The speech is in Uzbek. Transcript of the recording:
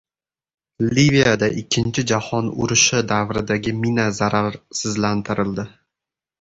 Liviyada Ikkinchi jahon urushi davridagi mina zararsizlantirildi